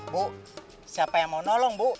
bu siapa yang mau nolong bu